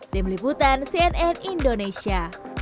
tim liputan cnn indonesia